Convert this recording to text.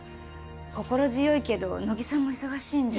心強いけど乃木さんも忙しいんじゃ？